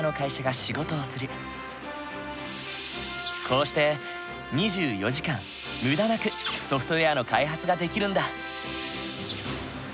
こうして２４時間無駄なくソフトウェアの開発ができるんだ。